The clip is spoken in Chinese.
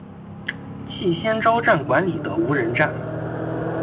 气仙沼站管理的无人站。